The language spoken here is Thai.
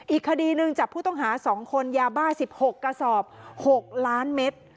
อีกคดีหนึ่งจับผู้ต้องหา๒คนยาบ้า๑๖กระสอบ๖ล้านเมตร